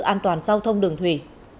an toàn giao thông đường thủy